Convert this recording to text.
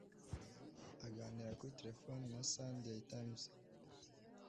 Aganira kuri telefone na Sunday Times